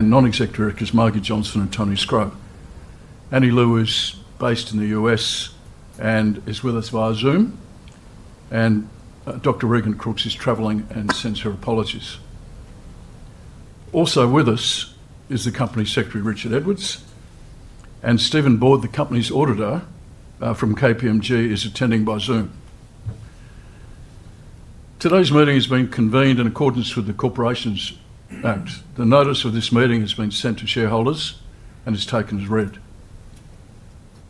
Non-executive directors Margie Johnson and Tony Sgro. Annie Liu, based in the U.S., is with us via Zoom. Dr. Regan Crooks is traveling and sends her apologies. Also with us is the company secretary, Richard Edwards. Steven Boyd, the company's auditor from KPMG, is attending by Zoom. Today's meeting has been convened in accordance with the Corporations Act. The notice of this meeting has been sent to shareholders and is taken as read.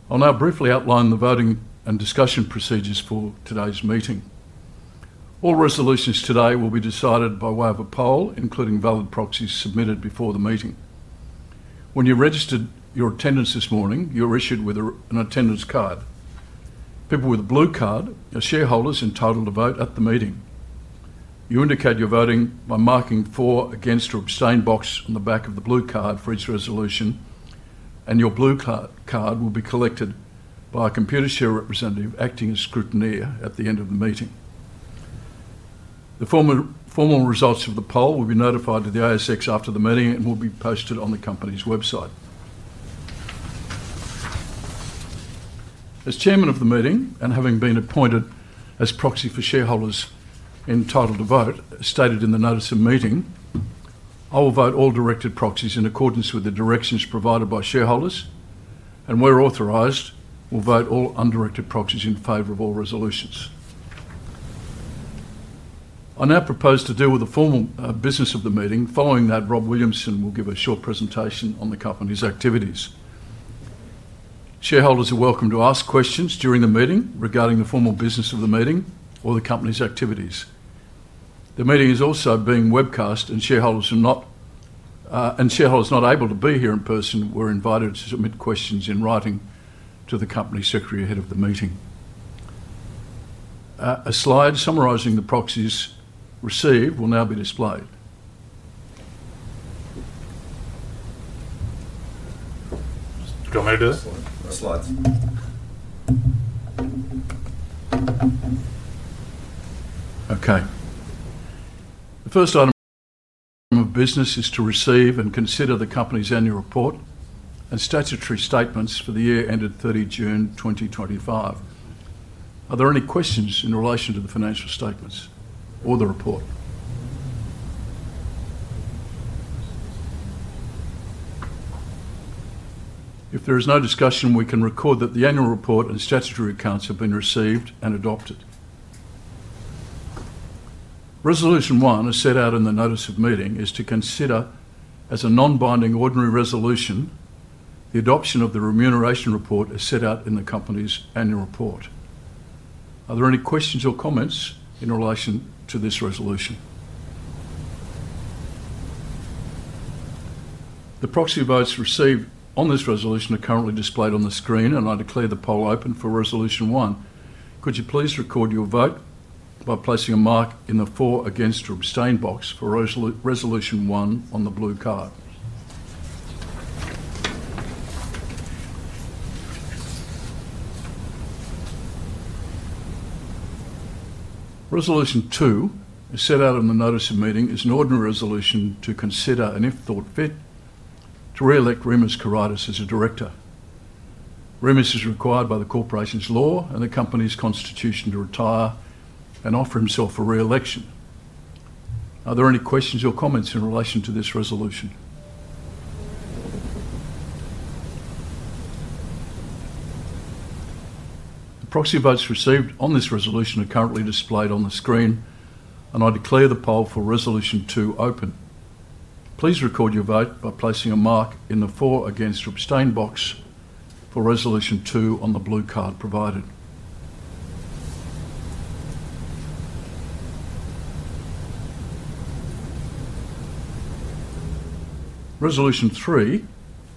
I'll now briefly outline the voting and discussion procedures for today's meeting. All resolutions today will be decided by way of a poll, including valid proxies submitted before the meeting. When you registered your attendance this morning, you were issued with an attendance card. People with a blue card are shareholders entitled to vote at the meeting. You indicate your voting by marking the for, against, or abstain box on the back of the blue card for each resolution. Your blue card will be collected by a Computershare representative acting as scrutineer at the end of the meeting. The formal results of the poll will be notified to the ASX after the meeting and will be posted on the company's website. As Chairman of the meeting and having been appointed as proxy for shareholders entitled to vote, as stated in the notice of meeting, I will vote all directed proxies in accordance with the directions provided by shareholders. Where authorized, I will vote all undirected proxies in favor of all resolutions. I now propose to deal with the formal business of the meeting. Following that, Rob Williamson will give a short presentation on the company's activities. Shareholders are welcome to ask questions during the meeting regarding the formal business of the meeting or the company's activities. The meeting is also being webcast, and shareholders not able to be here in person were invited to submit questions in writing to the company secretary ahead of the meeting. A slide summarizing the proxies received will now be displayed. Do you want me to do that? Slides. Okay. The first item of business is to receive and consider the company's annual report and statutory statements for the year ended 30 June 2025. Are there any questions in relation to the financial statements or the report? If there is no discussion, we can record that the annual report and statutory accounts have been received and adopted. Resolution one is set out in the notice of meeting is to consider as a non-binding ordinary resolution the adoption of the remuneration report as set out in the company's annual report. Are there any questions or comments in relation to this resolution? The proxy votes received on this resolution are currently displayed on the screen, and I declare the poll open for resolution one. Could you please record your vote by placing a mark in the for, against, or abstain box for resolution one on the blue card? Resolution two is set out in the notice of meeting is an ordinary resolution to consider and if thought fit to re-elect Rimas kairaitis as a director. Rimas is required by the Corporations Act and the company's constitution to retire and offer himself for re-election. Are there any questions or comments in relation to this resolution? The proxy votes received on this resolution are currently displayed on the screen, and I declare the poll for resolution two open. Please record your vote by placing a mark in the for, against, or abstain box for resolution two on the blue card provided. Resolution three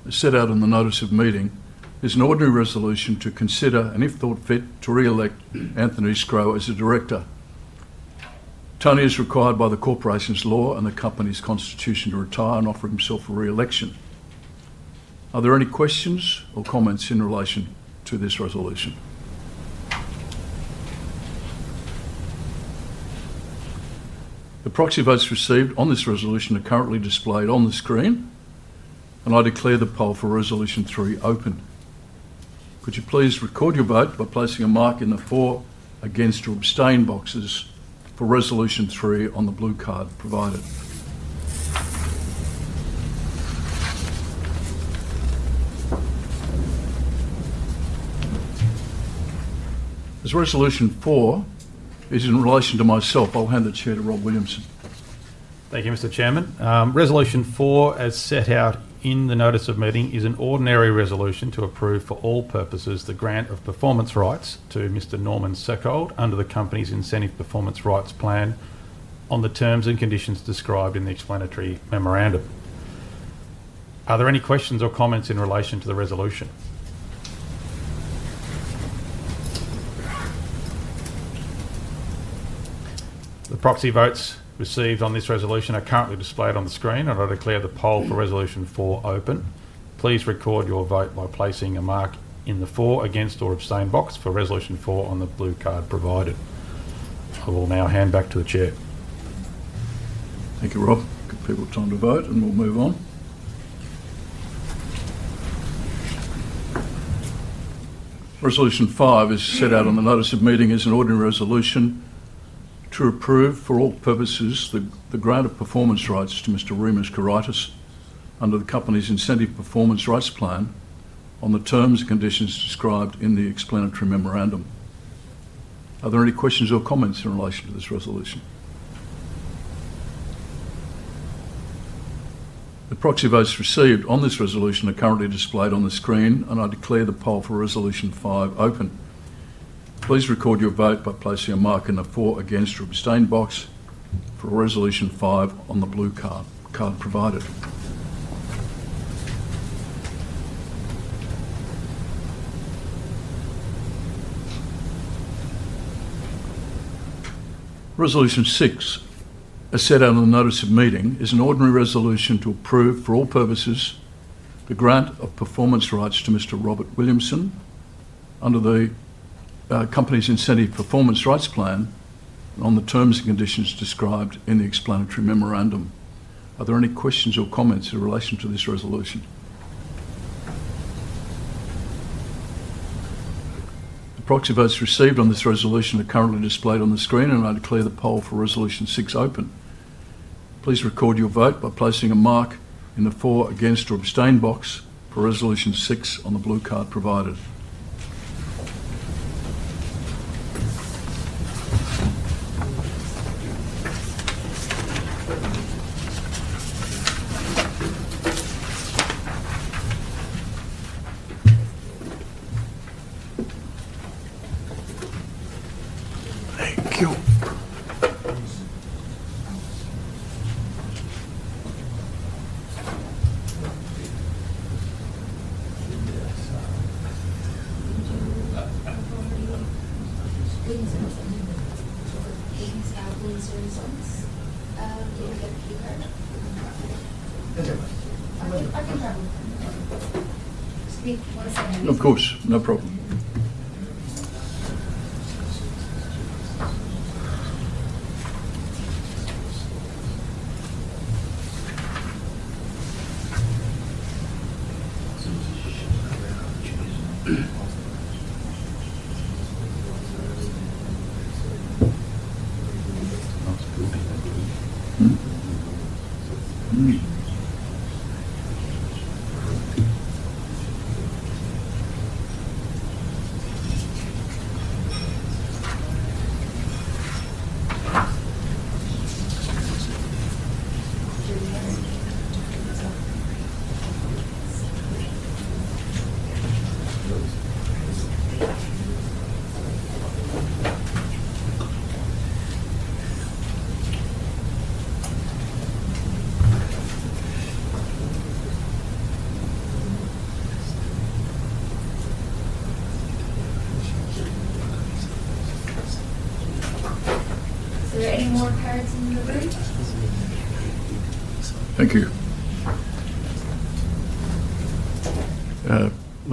is set out in the notice of meeting is an ordinary resolution to consider and if thought fit to re-elect Tony Sgro as a director. Tony is required by the Corporations Act and the company's constitution to retire and offer himself for re-election. Are there any questions or comments in relation to this resolution? The proxy votes received on this resolution are currently displayed on the screen, and I declare the poll for resolution three open. Could you please record your vote by placing a mark in the for, against, or abstain boxes for resolution three on the blue card provided? As resolution four is in relation to myself, I'll hand the chair to Rob Williamson. Thank you, Mr. Chairman. Resolution four, as set out in the notice of meeting, is an ordinary resolution to approve for all purposes the grant of performance rights to Mr. Norman Seckold under the company's incentive performance rights plan on the terms and conditions described in the explanatory memorandum. Are there any questions or comments in relation to the resolution? The proxy votes received on this resolution are currently displayed on the screen, and I declare the poll for resolution four open. Please record your vote by placing a mark in the for, against, or abstain box for resolution four on the blue card provided. I will now hand back to the Chair. Thank you, Rob. Give people time to vote, and we'll move on. Resolution five as set out in the notice of meeting is an ordinary resolution to approve for all purposes the grant of performance rights to Mr. Rimas Kairaitis under the company's incentive performance rights plan on the terms and conditions described in the explanatory memorandum. Are there any questions or comments in relation to this resolution? The proxy votes received on this resolution are currently displayed on the screen, and I declare the poll for resolution five open. Please record your vote by placing a mark in the for, against, or abstain box for resolution five on the blue card provided. Resolution six as set out in the notice of meeting is an ordinary resolution to approve for all purposes the grant of performance rights to Mr. Robert Williamson under the company's incentive performance rights plan on the terms and conditions described in the explanatory memorandum. Are there any questions or comments in relation to this resolution? The proxy votes received on this resolution are currently displayed on the screen, and I declare the poll for resolution six open. Please record your vote by placing a mark in the for, against, or abstain box for resolution six on the blue card provided.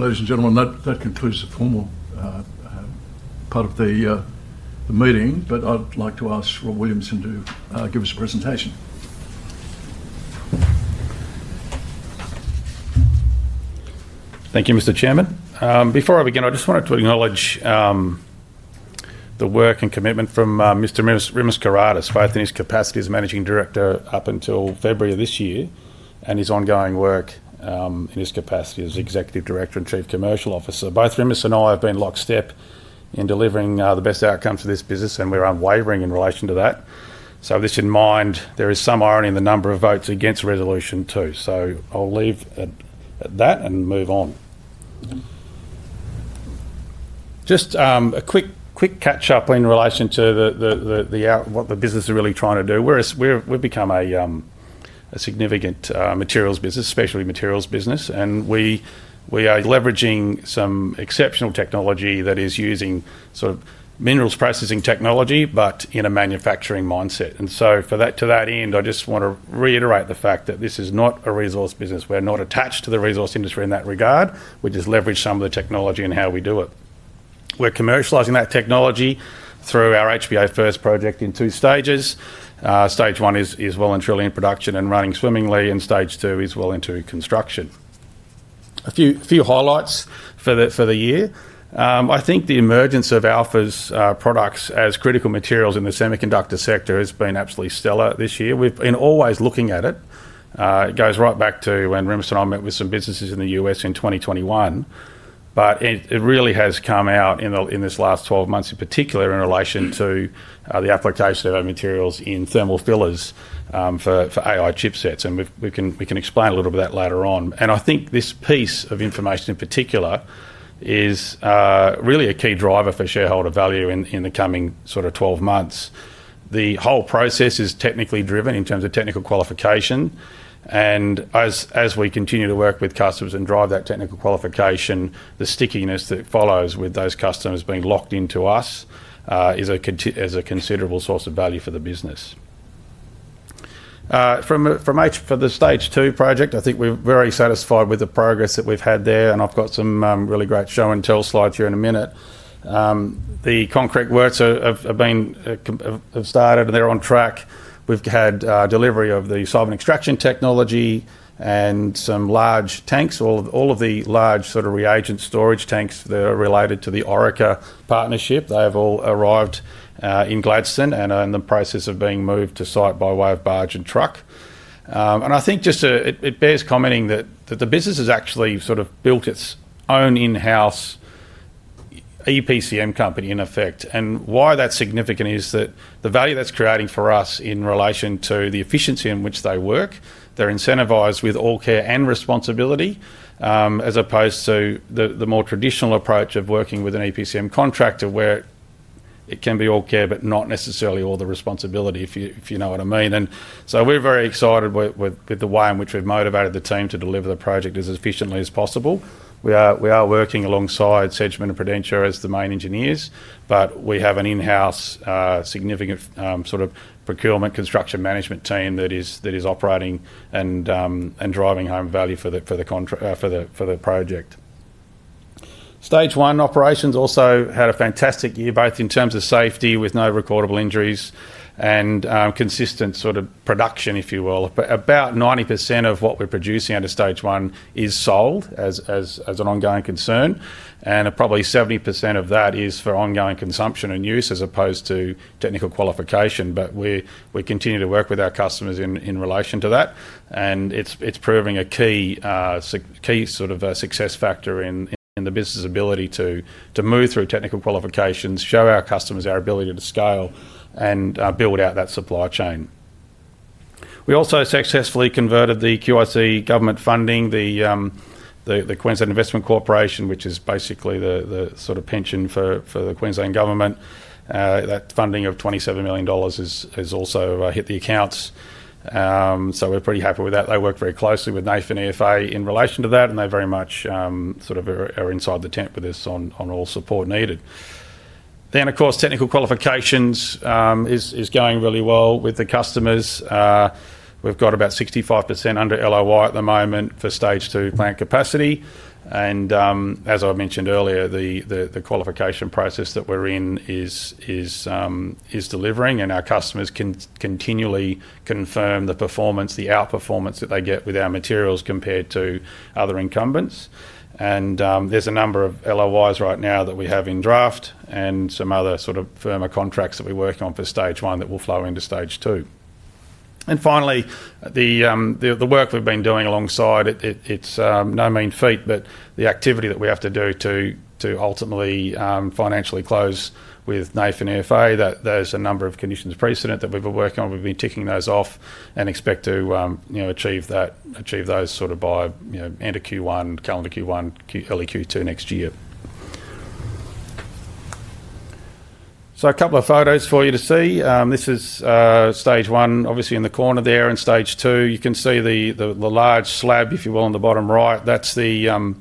Thank you. Speak one second. Of course. No problem. Are there any more cards in the room? Thank you. Ladies and gentlemen, that concludes the formal part of the meeting, but I'd like to ask Rob Williamson to give us a presentation. Thank you, Mr. Chairman. Before I begin, I just wanted to acknowledge the work and commitment from Mr. Rimas Kairaitis, both in his capacity as Managing Director up until February of this year and his ongoing work in his capacity as Executive Director and Chief Commercial Officer. Both Remus and I have been lock-step in delivering the best outcome for this business, and we're unwavering in relation to that. With this in mind, there is some irony in the number of votes against resolution two. I will leave it at that and move on. Just a quick catch-up in relation to what the business is really trying to do. We've become a significant materials business, specialty materials business, and we are leveraging some exceptional technology that is using sort of minerals processing technology, but in a manufacturing mindset. To that end, I just want to reiterate the fact that this is not a resource business. We're not attached to the resource industry in that regard. We just leverage some of the technology and how we do it. We're commercializing that technology through our HPA First project in two stages. Stage one is well and truly in production and running swimmingly, and stage two is well into construction. A few highlights for the year. I think the emergence of Alpha's products as critical materials in the semiconductor sector has been absolutely stellar this year. We've been always looking at it. It goes right back to when Remus and I met with some businesses in the U.S. in 2021. It really has come out in this last 12 months, in particular in relation to the application of materials in thermal fillers for AI chipsets. We can explain a little bit of that later on. I think this piece of information in particular is really a key driver for shareholder value in the coming sort of 12 months. The whole process is technically driven in terms of technical qualification. As we continue to work with customers and drive that technical qualification, the stickiness that follows with those customers being locked into us is a considerable source of value for the business. For the stage two project, I think we're very satisfied with the progress that we've had there. I've got some really great show and tell slides here in a minute. The concrete works have started, and they're on track. We've had delivery of the solvent extraction technology and some large tanks, all of the large sort of reagent storage tanks that are related to the Orica partnership. They have all arrived in Gladstone and are in the process of being moved to site by way of barge and truck. I think just it bears commenting that the business has actually sort of built its own in-house EPCM company, in effect. Why that's significant is that the value that's creating for us in relation to the efficiency in which they work, they're incentivized with all care and responsibility as opposed to the more traditional approach of working with an EPCM and contractor where it can be all care, but not necessarily all the responsibility, if you know what I mean. We are very excited with the way in which we've motivated the team to deliver the project as efficiently as possible. We are working alongside Sedgman and Prudentia as the main engineers, but we have an in-house significant sort of procurement construction management team that is operating and driving home value for the project. Stage one operations also had a fantastic year, both in terms of safety with no recordable injuries and consistent sort of production, if you will. About 90% of what we're producing under stage one is sold as an ongoing concern, and probably 70% of that is for ongoing consumption and use as opposed to technical qualification. We continue to work with our customers in relation to that, and it's proving a key sort of success factor in the business's ability to move through technical qualifications, show our customers our ability to scale and build out that supply chain. We also successfully converted the QIC government funding, the Queensland Investment Corporation, which is basically the sort of pension for the Queensland government. That funding of 27 million dollars has also hit the accounts. We are pretty happy with that. They work very closely with Nathan EFA in relation to that, and they very much sort of are inside the tent with us on all support needed. Of course, technical qualifications is going really well with the customers. We have got about 65% under LOI at the moment for stage two plant capacity. As I mentioned earlier, the qualification process that we are in is delivering, and our customers can continually confirm the performance, the outperformance that they get with our materials compared to other incumbents. There is a number of LOIs right now that we have in draft and some other sort of firmer contracts that we work on for stage one that will flow into stage two. Finally, the work we have been doing alongside, it is no mean feat, but the activity that we have to do to ultimately financially close with Nathan EFA, there is a number of conditions precedent that we have been working on. We have been ticking those off and expect to achieve those by end of Q1, calendar Q1, early Q2 next year. So couple of photos for you to see. This is stage one, obviously in the corner there. In stage two, you can see the large slab, if you will, on the bottom right. That is the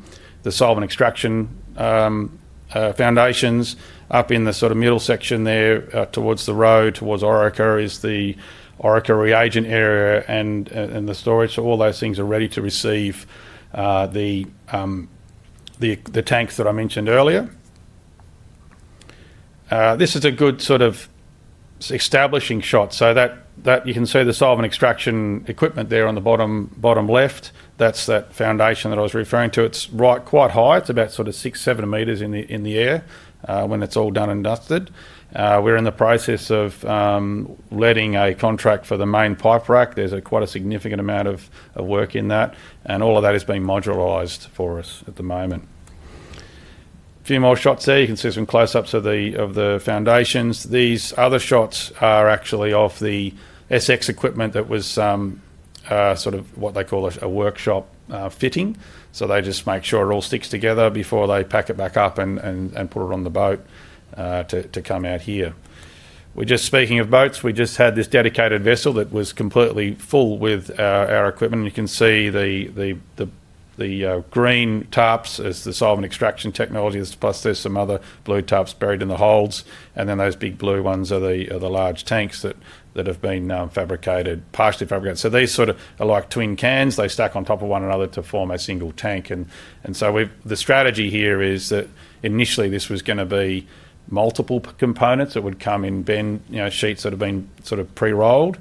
solvent extraction foundations. Up in the sort of middle section there towards the road towards Orica is the Orica reagent area and the storage. All those things are ready to receive the tanks that I mentioned earlier. This is a good sort of establishing shot. You can see the solvent extraction equipment there on the bottom left. That's that foundation that I was referring to. It's quite high. It's about sort of six, seven meters in the air when it's all done and dusted. We're in the process of letting a contract for the main pipe rack. There's quite a significant amount of work in that, and all of that is being modularized for us at the moment. A few more shots there. You can see some close-ups of the foundations. These other shots are actually of the SX equipment that was sort of what they call a workshop fitting. They just make sure it all sticks together before they pack it back up and put it on the boat to come out here. Speaking of boats, we just had this dedicated vessel that was completely full with our equipment. You can see the green tarps as the solvent extraction technology, plus there are some other blue tarps buried in the holds. Those big blue ones are the large tanks that have been fabricated, partially fabricated. These are like twin cans. They stack on top of one another to form a single tank. The strategy here is that initially this was going to be multiple components that would come in sheets that have been pre-rolled.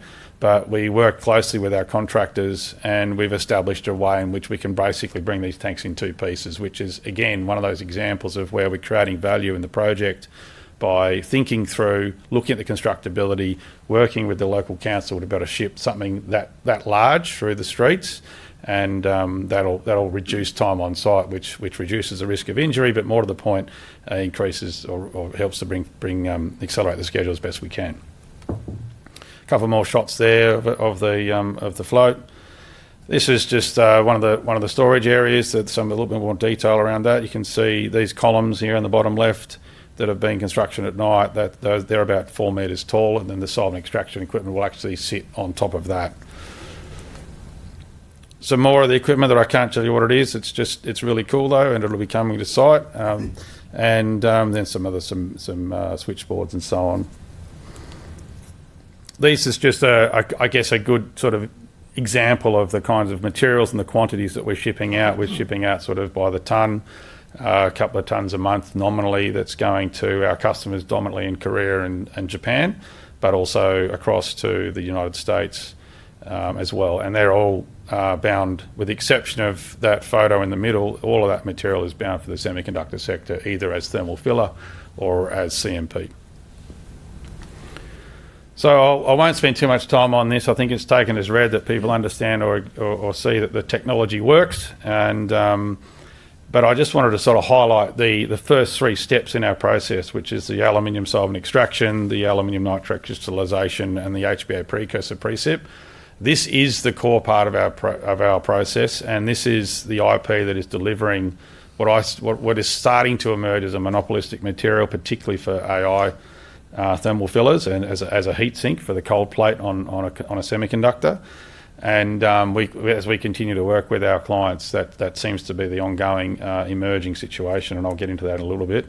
We work closely with our contractors, and we have established a way in which we can basically bring these tanks in two pieces, which is, again, one of those examples of where we are creating value in the project by thinking through, looking at the constructability, working with the local council to be able to ship something that large through the streets. That will reduce time on site, which reduces the risk of injury, but more to the point, increases or helps to accelerate the schedule as best we can. A couple more shots there of the float. This is just one of the storage areas. Some of the little bit more detail around that. You can see these columns here on the bottom left that have been constructed at night. They are about four meters tall, and then the solvent extraction equipment will actually sit on top of that. Some more of the equipment that I can't tell you what it is. It's really cool, though, and it'll be coming to site. Then some other switchboards and so on. This is just, I guess, a good sort of example of the kinds of materials and the quantities that we're shipping out. We're shipping out sort of by the ton, a couple of tons a month nominally that's going to our customers dominantly in Korea and Japan, but also across to the United States as well. They are all bound, with the exception of that photo in the middle, all of that material is bound for the semiconductor sector, either as thermal filler or as CMP. I won't spend too much time on this. I think it's taken as read that people understand or see that the technology works. I just wanted to sort of highlight the first three steps in our process, which is the aluminum solvent extraction, the aluminum nitrate crystallization, and the HPA precursor precip. This is the core part of our process, and this is the IP that is delivering what is starting to emerge as a monopolistic material, particularly for AI thermal fillers and as a heat sink for the cold plate on a semiconductor. As we continue to work with our clients, that seems to be the ongoing emerging situation, and I'll get into that in a little bit.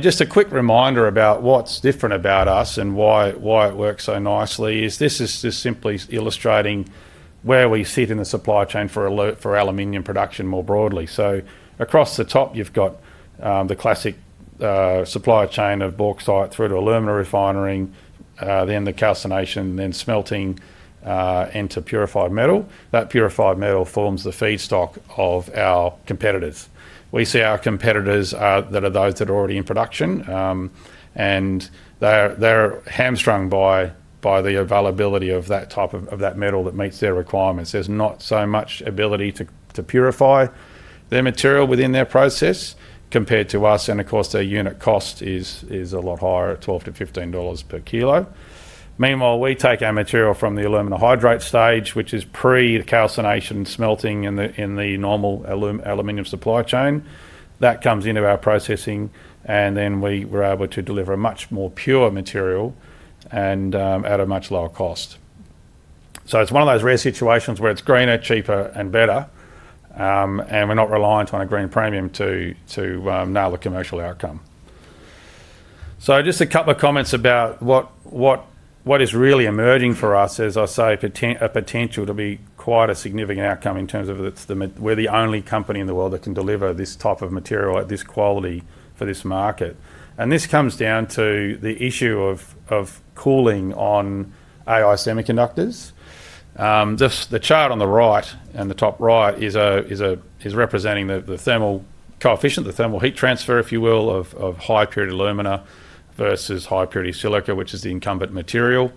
Just a quick reminder about what's different about us and why it works so nicely is this is just simply illustrating where we sit in the supply chain for aluminum production more broadly. Across the top, you've got the classic supply chain of bauxite through to aluminum refinery, then the calcination, then smelting into purified metal. That purified metal forms the feedstock of our competitors. We see our competitors that are those that are already in production, and they're hamstrung by the availability of that type of that metal that meets their requirements. There's not so much ability to purify their material within their process compared to us. Of course, their unit cost is a lot higher, $12-$15 per kg. Meanwhile, we take our material from the aluminum hydrate stage, which is pre-calcination, smelting in the normal aluminum supply chain. That comes into our processing, and then we're able to deliver a much more pure material and at a much lower cost. It's one of those rare situations where it's greener, cheaper, and better, and we're not reliant on a green premium to nail the commercial outcome. Just a couple of comments about what is really emerging for us, as I say, a potential to be quite a significant outcome in terms of we're the only company in the world that can deliver this type of material at this quality for this market. This comes down to the issue of cooling on AI semiconductors. The chart on the right and the top right is representing the thermal coefficient, the thermal heat transfer, if you will, of high-purity alumina versus high-purity silica, which is the incumbent material.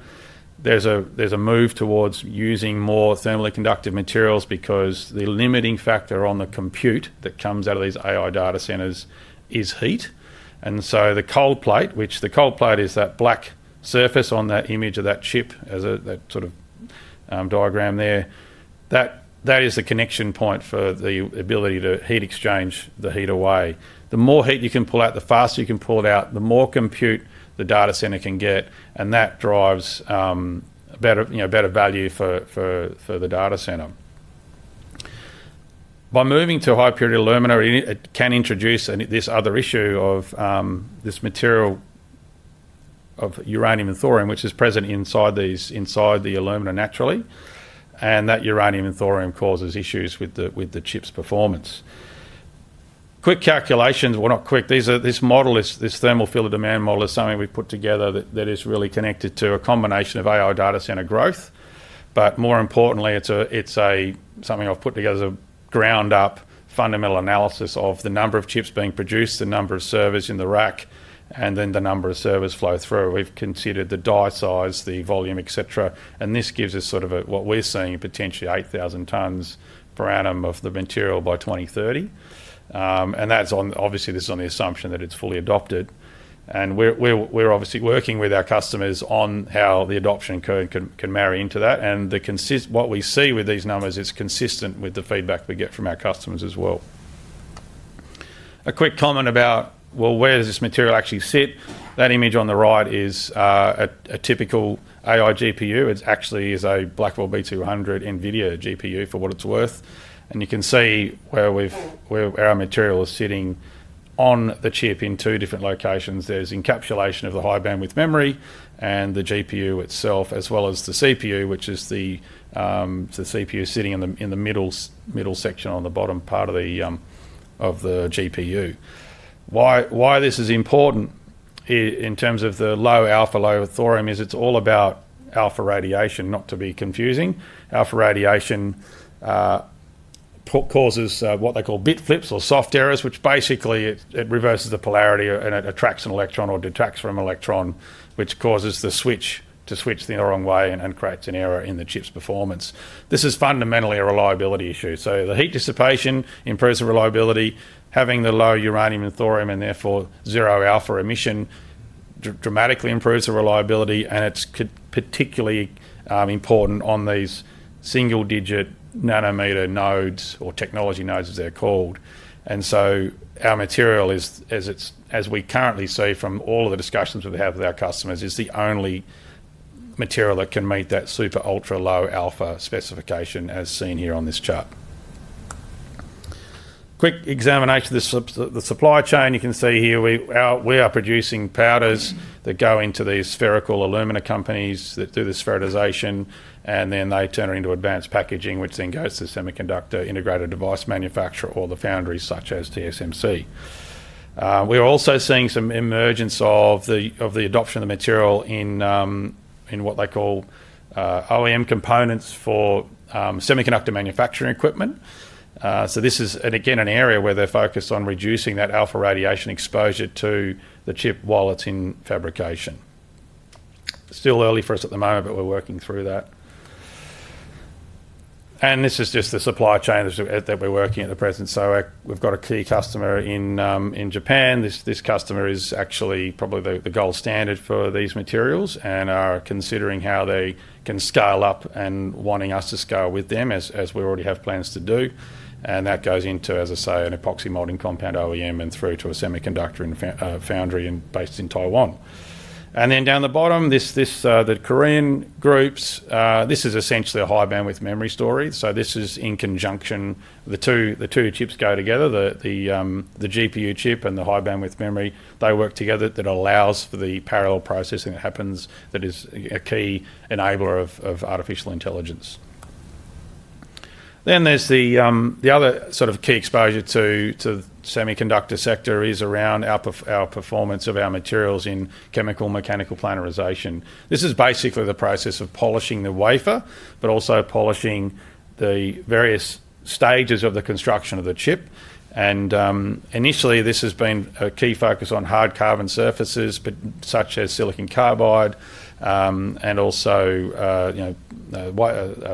There's a move towards using more thermally conductive materials because the limiting factor on the compute that comes out of these AI data centers is heat. The cold plate, which the cold plate is that black surface on that image of that chip, that sort of diagram there, that is the connection point for the ability to heat exchange the heat away. The more heat you can pull out, the faster you can pull it out, the more compute the data center can get, and that drives better value for the data center. By moving to high-purity alumina, it can introduce this other issue of this material of uranium and thorium, which is present inside the alumina naturally, and that uranium and thorium causes issues with the chip's performance. Quick calculations, actually, not quick. This thermal filler demand model is something we've put together that is really connected to a combination of AI data center growth. More importantly, it's something I've put together as a ground-up fundamental analysis of the number of chips being produced, the number of servers in the rack, and then the number of servers flow through. We've considered the die size, the volume, etc. This gives us sort of what we're seeing, potentially 8,000 tons per annum of the material by 2030. And that's obviously, this is on the assumption that it's fully adopted. We're obviously working with our customers on how the adoption can marry into that. What we see with these numbers is consistent with the feedback we get from our customers as well. A quick comment about, well, where does this material actually sit? That image on the right is a typical AI GPU. It actually is a Blackwell B200 NVIDIA GPU for what it's worth. You can see where our material is sitting on the chip in two different locations. There is encapsulation of the high bandwidth memory and the GPU itself, as well as the CPU, which is the CPU sitting in the middle section on the bottom part of the GPU. Why this is important in terms of the low alpha, low thorium is it's all about alpha radiation, not to be confusing. Alpha radiation causes what they call bit flips or soft errors, which basically reverses the polarity and it attracts an electron or detracts from an electron, which causes the switch to switch the other wrong way and creates an error in the chip's performance. This is fundamentally a reliability issue. The heat dissipation improves the reliability. Having the low uranium and thorium and therefore zero alpha emission dramatically improves the reliability, and it's particularly important on these single-digit nanometer nodes or technology nodes, as they're called. Our material, as we currently see from all of the discussions we have with our customers, is the only material that can meet that super ultra low alpha specification as seen here on this chart. Quick examination of the supply chain. You can see here we are producing powders that go into these spherical alumina companies that do the sphericization, and then they turn it into advanced packaging, which then goes to the semiconductor integrated device manufacturer or the foundry, such as TSMC. We're also seeing some emergence of the adoption of the material in what they call OEM components for semiconductor manufacturing equipment. This is, again, an area where they're focused on reducing that alpha radiation exposure to the chip while it's in fabrication. Still early for us at the moment, but we're working through that. This is just the supply chain that we're working at the present. We've got a key customer in Japan. This customer is actually probably the gold standard for these materials and are considering how they can scale up and wanting us to scale with them as we already have plans to do. That goes into, as I say, an epoxy molding compound OEM and through to a semiconductor foundry based in Taiwan. Down the bottom, the Korean groups, this is essentially a high bandwidth memory story. This is in conjunction. The two chips go together, the GPU chip and the high bandwidth memory. They work together that allows for the parallel processing that happens that is a key enabler of artificial intelligence. There is the other sort of key exposure to the semiconductor sector is around our performance of our materials in chemical mechanical planarization. This is basically the process of polishing the wafer, but also polishing the various stages of the construction of the chip. Initially, this has been a key focus on hard carbon surfaces such as silicon carbide and also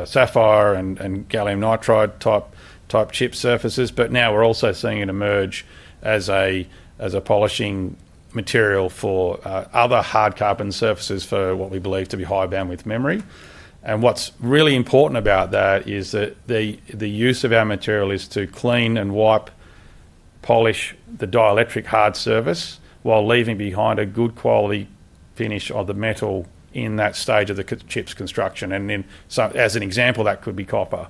sapphire and gallium nitride type chip surfaces. Now we are also seeing it emerge as a polishing material for other hard carbon surfaces for what we believe to be high bandwidth memory. What is really important about that is that the use of our material is to clean and wipe polish the dielectric hard surface while leaving behind a good quality finish of the metal in that stage of the chip's construction. As an example, that could be copper.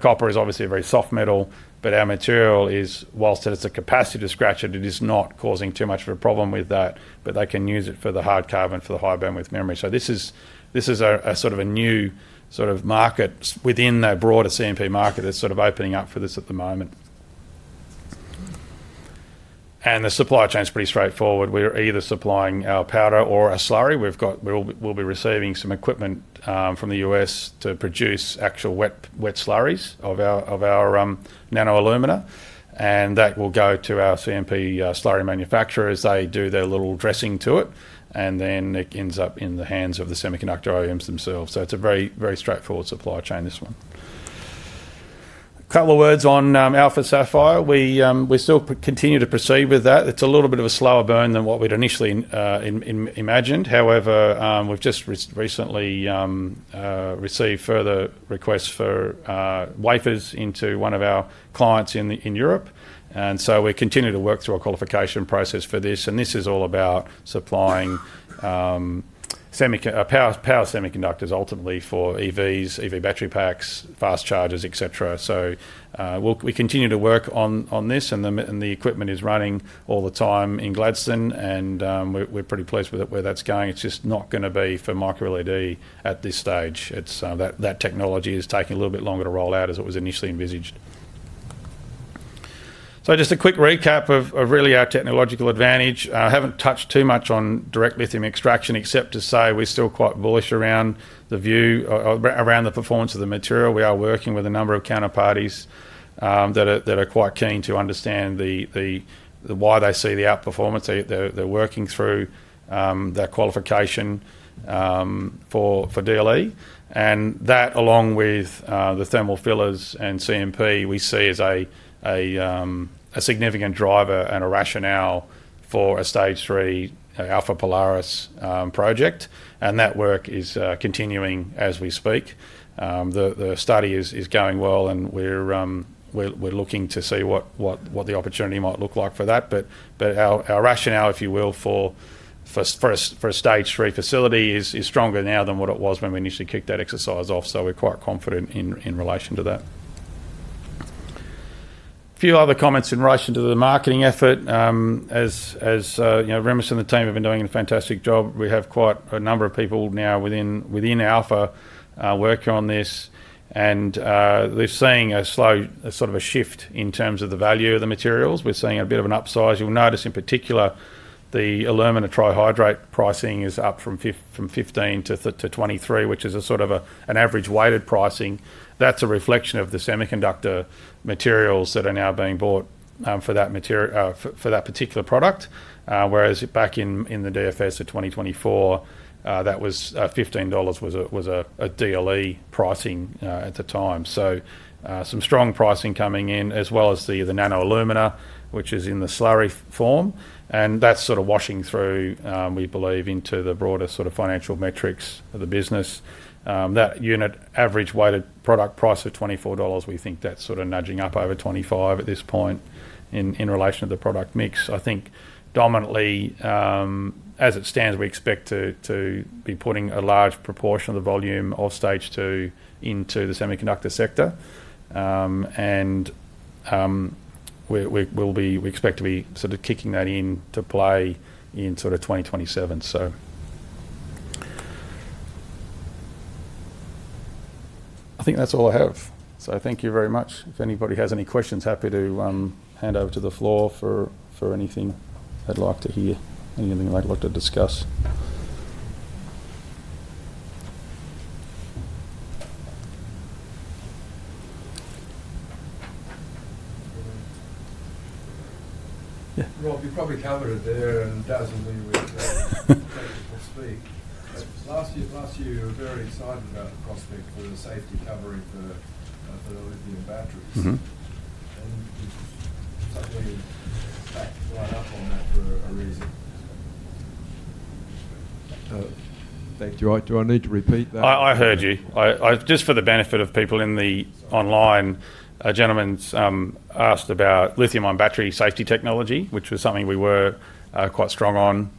Copper is obviously a very soft metal, but our material is, whilst it has the capacity to scratch it, it is not causing too much of a problem with that, but they can use it for the hard carbon for the high bandwidth memory. This is a sort of a new sort of market within the broader CMP market that is opening up for this at the moment. The supply chain is pretty straightforward. We are either supplying our powder or a slurry. We'll be receiving some equipment from the U.S. to produce actual wet slurries of our nano alumina, and that will go to our CMP slurry manufacturers. They do their little dressing to it, and then it ends up in the hands of the semiconductor OEMs themselves. It is a very, very straightforward supply chain, this one. A couple of words on Alpha sapphire. We still continue to proceed with that. It is a little bit of a slower burn than what we'd initially imagined. However, we've just recently received further requests for wafers into one of our clients in Europe. We continue to work through our qualification process for this. This is all about supplying power semiconductors ultimately for EVs, EV battery packs, fast chargers, etc. We continue to work on this, and the equipment is running all the time in Gladstone, and we're pretty pleased with where that's going. It's just not going to be for micro LED at this stage. That technology is taking a little bit longer to roll out as it was initially envisaged. Just a quick recap of really our technological advantage. I haven't touched too much on direct lithium extraction except to say we're still quite bullish around the view around the performance of the material. We are working with a number of counterparties that are quite keen to understand why they see the outperformance. They're working through their qualification for DLE. That, along with the thermal fillers and CMP, we see as a significant driver and a rationale for a stage three Alpha Polaris project. That work is continuing as we speak. The study is going well, and we're looking to see what the opportunity might look like for that. Our rationale, if you will, for a stage three facility is stronger now than what it was when we initially kicked that exercise off. We are quite confident in relation to that. Few other comments in relation to the marketing effort. As Rimas and the team have been doing a fantastic job, we have quite a number of people now within Alpha working on this, and they're seeing a slow sort of a shift in terms of the value of the materials. We're seeing a bit of an upsize. You'll notice in particular, the alumina trihydrate pricing is up from 15-23, which is a sort of an average weighted pricing. That's a reflection of the semiconductor materials that are now being bought for that particular product. Whereas back in the DFS of 2024, that was $15 was a DLE pricing at the time. Some strong pricing coming in, as well as the nano alumina, which is in the slurry form. That is sort of washing through, we believe, into the broader sort of financial metrics of the business. That unit average weighted product price of $24, we think that is sort of nudging up over $25 at this point in relation to the product mix. I think dominantly, as it stands, we expect to be putting a large proportion of the volume of stage two into the semiconductor sector. We expect to be sort of kicking that into play in 2027. I think that is all I have. Thank you very much. If anybody has any questions, happy to hand over to the floor for anything they'd like to hear, anything they'd like to discuss. Yeah. Rob, you probably covered it there and doesn't mean we'll speak. Last year, you were very excited about the prospect for the safety covering for the lithium batteries. And suddenly, back right up on that for a reason. Do I need to repeat that? I heard you. Just for the benefit of people online, a gentleman asked about lithium-ion battery safety technology, which was something we were quite strong on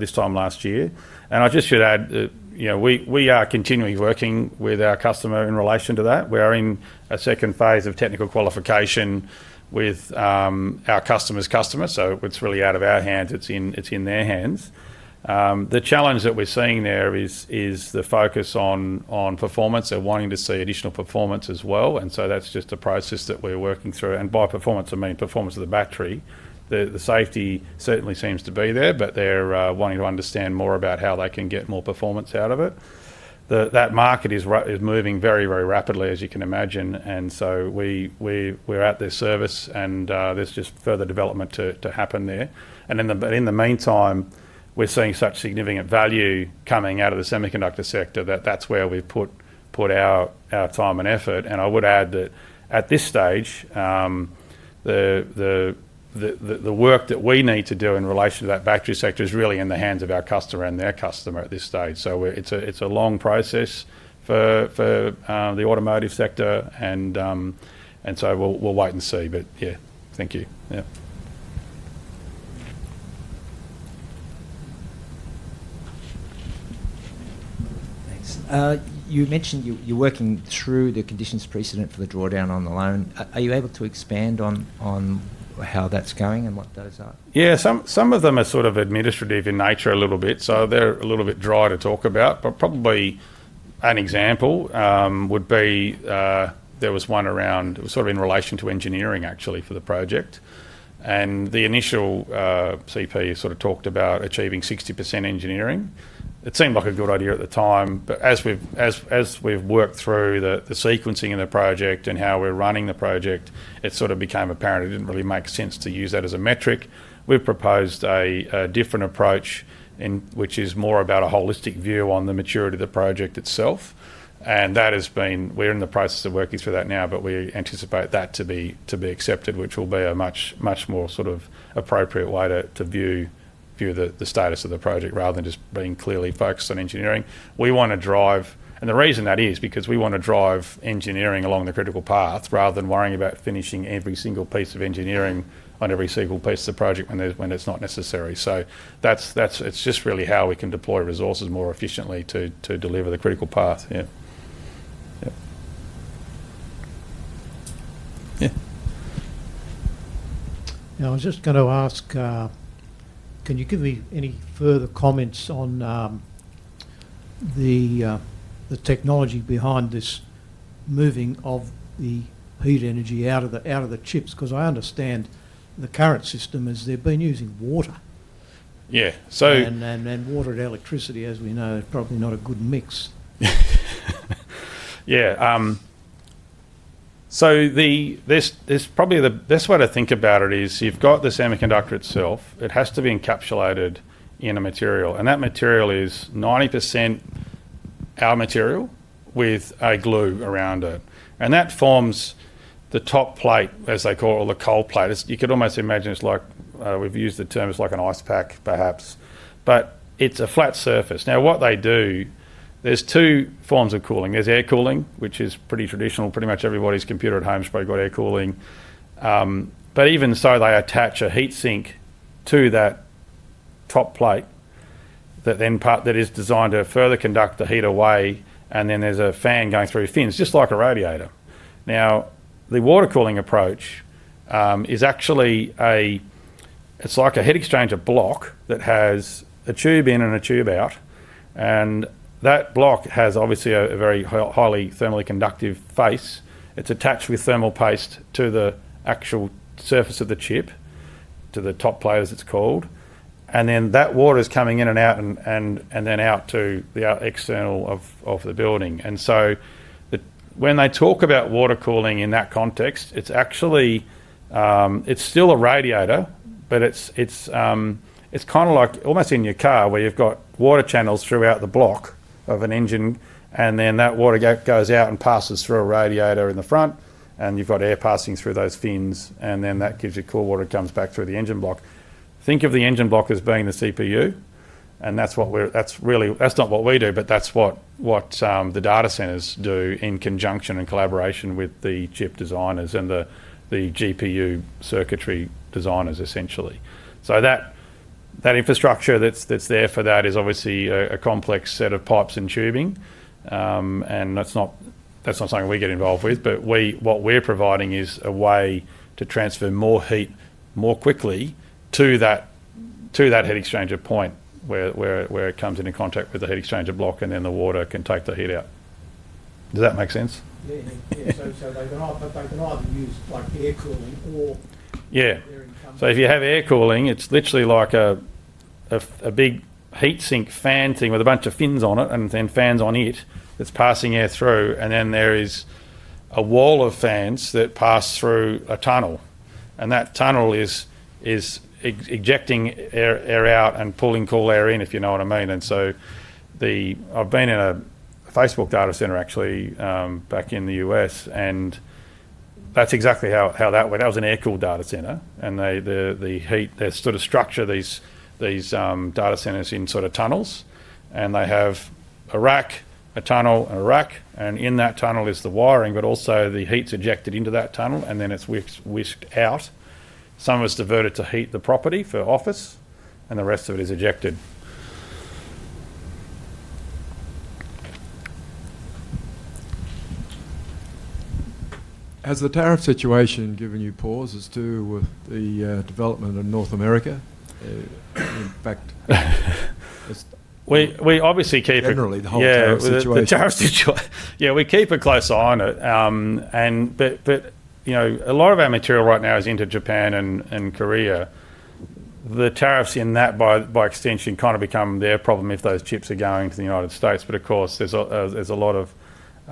this time last year. I just should add that we are continually working with our customer in relation to that. We are in a second phase of technical qualification with our customer's customer. It is really out of our hands. It is in their hands. The challenge that we're seeing there is the focus on performance and wanting to see additional performance as well. That is just a process that we're working through. By performance, I mean performance of the battery. The safety certainly seems to be there, but they're wanting to understand more about how they can get more performance out of it. That market is moving very, very rapidly, as you can imagine. We are at their service, and there is just further development to happen there. In the meantime, we're seeing such significant value coming out of the semiconductor sector that that's where we've put our time and effort. I would add that at this stage, the work that we need to do in relation to that battery sector is really in the hands of our customer and their customer at this stage. It's a long process for the automotive sector. We'll wait and see. Thank you. Thanks. You mentioned you're working through the conditions precedent for the drawdown on the loan. Are you able to expand on how that's going and what those are? Some of them are sort of administrative in nature a little bit. They're a little bit dry to talk about. Probably an example would be there was one around, it was sort of in relation to engineering, actually, for the project. The initial CP sort of talked about achieving 60% engineering. It seemed like a good idea at the time. As we've worked through the sequencing of the project and how we're running the project, it became apparent it didn't really make sense to use that as a metric. We've proposed a different approach, which is more about a holistic view on the maturity of the project itself. That has been we're in the process of working through that now, but we anticipate that to be accepted, which will be a much more sort of appropriate way to view the status of the project rather than just being clearly focused on engineering. We want to drive, and the reason that is because we want to drive engineering along the critical path rather than worrying about finishing every single piece of engineering on every single piece of the project when it's not necessary. It's just really how we can deploy resources more efficiently to deliver the critical path. Yeah. Yeah. Yeah. Now, I was just going to ask, can you give me any further comments on the technology behind this moving of the heat energy out of the chips? Because I understand the current system is they've been using water. Yeah. Water and electricity, as we know, is probably not a good mix. Yeah. Probably the best way to think about it is you've got the semiconductor itself. It has to be encapsulated in a material. That material is 90% our material with a glue around it. That forms the top plate, as they call it, or the cold plate. You could almost imagine it's like we've used the term as like an ice pack, perhaps. It is a flat surface. What they do, there's two forms of cooling. There's air cooling, which is pretty traditional. Pretty much everybody's computer at home has probably got air cooling. Even so, they attach a heat sink to that top plate that is designed to further conduct the heat away. There's a fan going through fins, just like a radiator. The water cooling approach is actually like a heat exchanger block that has a tube in and a tube out. That block has obviously a very highly thermally conductive face. It's attached with thermal paste to the actual surface of the chip, to the top plate, as it's called. That water is coming in and out and then out to the external of the building. When I talk about water cooling in that context, it's still a radiator, but it's kind of like almost in your car where you've got water channels throughout the block of an engine. That water goes out and passes through a radiator in the front, and you've got air passing through those fins, and then that gives you cool water that comes back through the engine block. Think of the engine block as being the CPU. That's really not what we do, but that's what the data centers do in conjunction and collaboration with the chip designers and the GPU circuitry designers, essentially. That infrastructure that's there for that is obviously a complex set of pipes and tubing. That's not something we get involved with. What we're providing is a way to transfer more heat more quickly to that heat exchanger point where it comes into contact with the heat exchanger block, and then the water can take the heat out. Does that make sense? Yeah. Yeah. They can either use air cooling or. Yeah. If you have air cooling, it's literally like a big heat sink fan thing with a bunch of fins on it and then fans on it that's passing air through. There is a wall of fans that pass through a tunnel. That tunnel is ejecting air out and pulling cool air in, if you know what I mean. I've been in a Facebook data center, actually, back in the U.S. That's exactly how that went. That was an air cooled data center. They sort of structure these data centers in sort of tunnels. They have a rack, a tunnel, and a rack. In that tunnel is the wiring, but also the heat's ejected into that tunnel, and then it's whisked out. Some of it's diverted to heat the property for office, and the rest of it is ejected. Has the tariff situation given you pauses too with the development of North America? In fact. We obviously keep. Generally, the whole tariff situation. Yeah. We keep a close eye on it. A lot of our material right now is into Japan and Korea. The tariffs in that, by extension, kind of become their problem if those chips are going to the United States. Of course, there is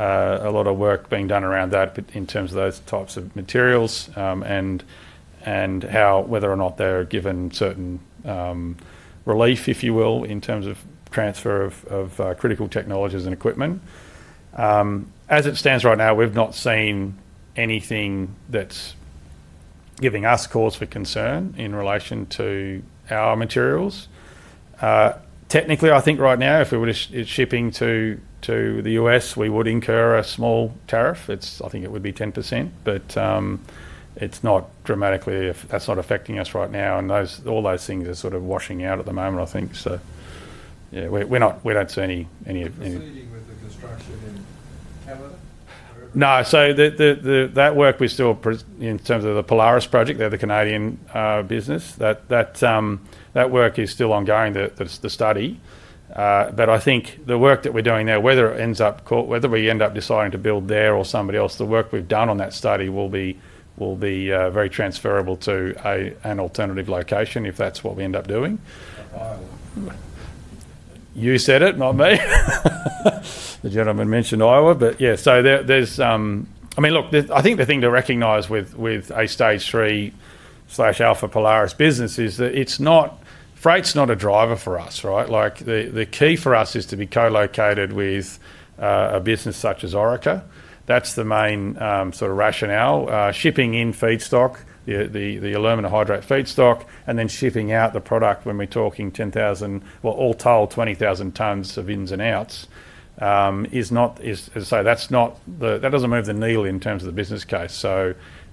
a lot of work being done around that in terms of those types of materials and whether or not they are given certain relief, if you will, in terms of transfer of critical technologies and equipment. As it stands right now, we have not seen anything that is giving us cause for concern in relation to our materials. Technically, I think right now, if we were shipping to the U.S., we would incur a small tariff. I think it would be 10%. That is not affecting us right now. All those things are sort of washing out at the moment, I think. Yeah, we do not see any. No. That work, we are still in terms of the Polaris project, the Canadian business. That work is still ongoing, the study. I think the work that we are doing there, whether we end up deciding to build there or somebody else, the work we have done on that study will be very transferable to an alternative location if that is what we end up doing. You said it, not me. The gentleman mentioned Iowa. Yeah. I mean, look, I think the thing to recognize with a stage three / Alpha Polaris business is that freight is not a driver for us, right? The key for us is to be co-located with a business such as Orica. That's the main sort of rationale. Shipping in feedstock, the alumina hydrate feedstock, and then shipping out the product when we're talking 10,000, well, all told, 20,000 tons of ins and outs is not so that doesn't move the needle in terms of the business case.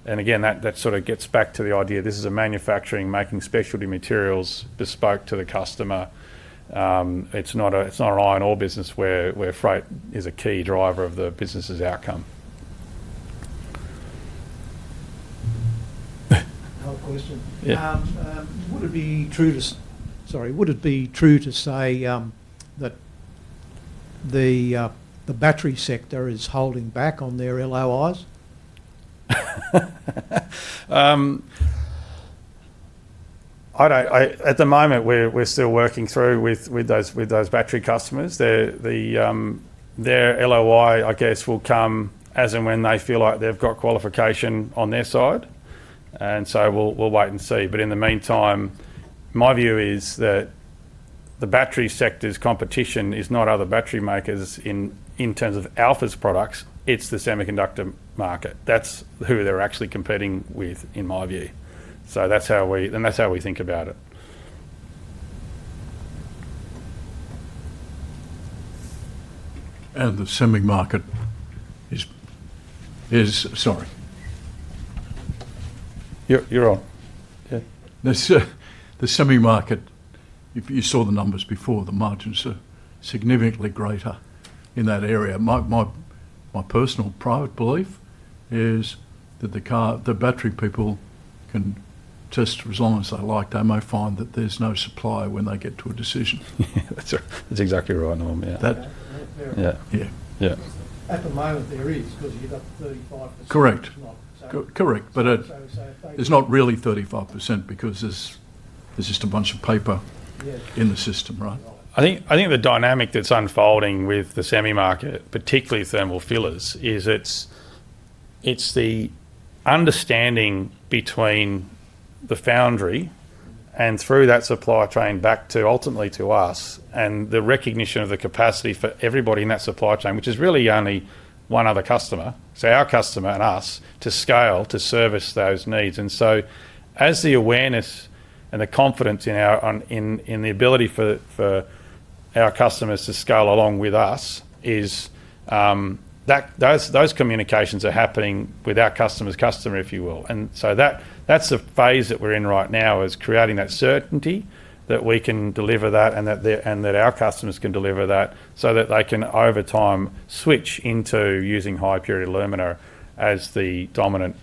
That sort of gets back to the idea this is a manufacturing making specialty materials bespoke to the customer. It's not an I and O business where freight is a key driver of the business's outcome. Quick question. Would it be true to say that the battery sector is holding back on their LOIs? At the moment, we're still working through with those battery customers. Their LOI, I guess, will come as and when they feel like they've got qualification on their side. We'll wait and see. In the meantime, my view is that the battery sector's competition is not other battery makers in terms of Alpha's products. It's the semiconductor market. That's who they're actually competing with, in my view. That's how we think about it. The semi market is, sorry. You're on. Yeah. The semi market, you saw the numbers before. The margins are significantly greater in that area. My personal private belief is that the battery people can test as long as they like. They may find that there's no supply when they get to a decision. That's exactly right Norman. Yeah. Yeah. Yeah. At the moment, there is because you've got 35%. Correct. Correct. But it's not really 35% because there's just a bunch of paper in the system, right? I think the dynamic that's unfolding with the semi market, particularly thermal fillers, is it's the understanding between the foundry and through that supply chain back to ultimately to us and the recognition of the capacity for everybody in that supply chain, which is really only one other customer, say our customer and us, to scale to service those needs. As the awareness and the confidence in the ability for our customers to scale along with us, those communications are happening with our customer's customer, if you will. That's the phase that we're in right now is creating that certainty that we can deliver that and that our customers can deliver that so that they can over time switch into using high-purity alumina as the dominant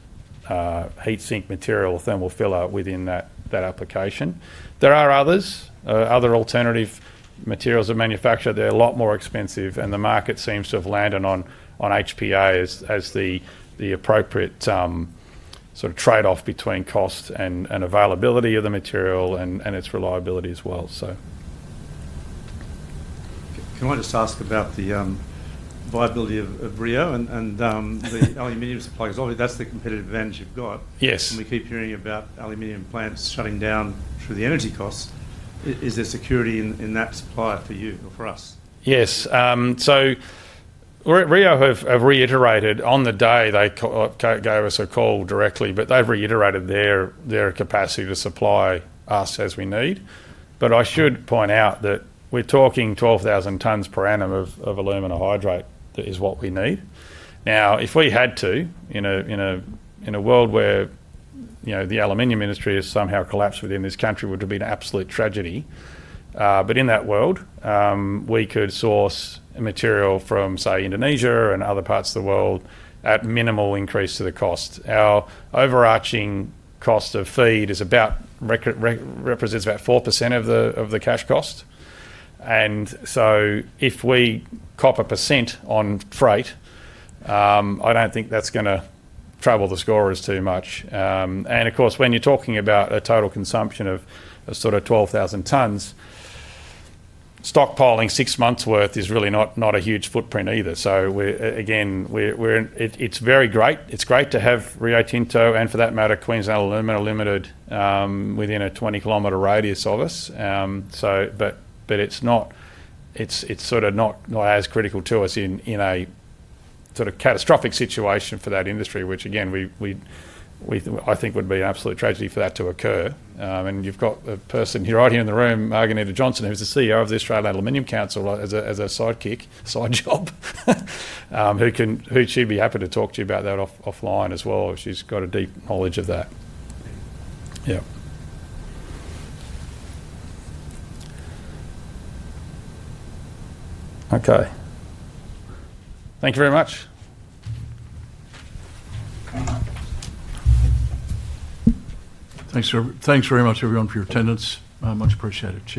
heat sink material or thermal filler within that application. There are other alternative materials that are manufactured. They're a lot more expensive. The market seems to have landed on HPA as the appropriate sort of trade-off between cost and availability of the material and its reliability as well. Can I just ask about the viability of Rio and the aluminium supply? Because obviously, that's the competitive advantage you've got. We keep hearing about aluminium plants shutting down through the energy costs. Is there security in that supply for you or for us? Yes. Rio have reiterated on the day they gave us a call directly, but they've reiterated their capacity to supply us as we need. I should point out that we're talking 12,000 tons per annum of alumina hydrate that is what we need. Now, if we had to, in a world where the aluminium industry has somehow collapsed within this country, it would have been an absolute tragedy. But in that world, we could source material from, say, Indonesia and other parts of the world at minimal increase to the cost. Our overarching cost of feed represents about 4% of the cash cost. If we cop a percent on freight, I do not think that is going to trouble the scorers too much. Of course, when you are talking about a total consumption of sort of 12,000 tons, stockpiling six months' worth is really not a huge footprint either. Again, it is very great. It is great to have Rio Tinto and, for that matter, Queensland Alumina Limited within a 20 km radius of us. It is sort of not as critical to us in a sort of catastrophic situation for that industry, which again, I think would be an absolute tragedy for that to occur. You have the person right here in the room, Margie Johnson, who's the CEO of the Australian Aluminium Council as a side job, who she'd be happy to talk to you about that offline as well if she's got a deep knowledge of that. Yeah. Okay. Thank you very much. Thanks very much, everyone, for your attendance. Much appreciated.